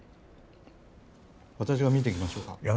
私が見てきましょうか？